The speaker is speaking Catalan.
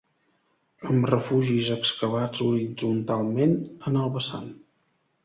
Amb refugis excavats horitzontalment en el vessant